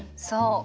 そう。